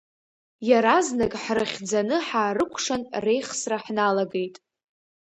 Иаразнак ҳрыхьӡаны ҳаарыкәшан реихсра ҳналагеит.